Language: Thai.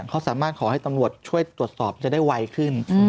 เขาสามารถขอให้ตำรวจช่วยตรวจสอบจะได้ไวขึ้น